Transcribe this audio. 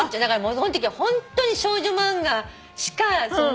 そのときはホントに少女漫画しか。